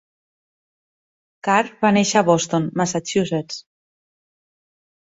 Carr va néixer a Boston, Massachusetts.